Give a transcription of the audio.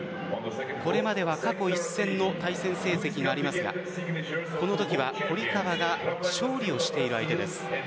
これまでは過去１戦の対戦成績がありますがこのときは堀川が勝利をしている相手です。